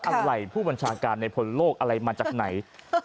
อะไรผู้บัญชาการในพลโลกอะไรมาจากไหน